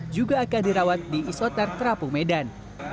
juga akan dirawat di isoter terapung medan